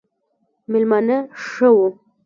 مېلمانه ښه وو